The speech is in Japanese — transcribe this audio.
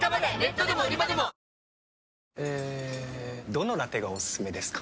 どのラテがおすすめですか？